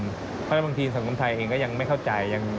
เพราะฉะนั้นบางทีสังคมไทยเองก็ยังไม่เข้าใจ